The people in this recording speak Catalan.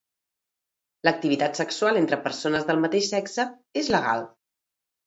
L'activitat sexual entre persones del mateix sexe és legal.